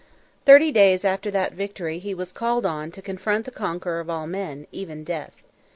Thirty days after that victory he was called on to confront the conqueror of all men, even Death.